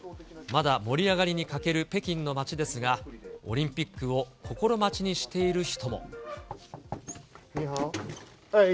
まだ盛り上がりに欠ける北京の街ですが、オリンピックを心待ちにしている人も。